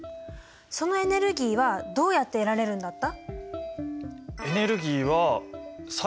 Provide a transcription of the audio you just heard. そのエネルギーはどうやって得られるんだった？